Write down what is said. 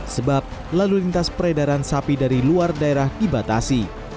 sebab lalu lintas peredaran sapi dari luar daerah dibatasi